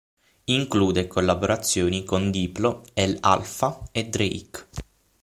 Include collaborazioni con Diplo, El Alfa e Drake.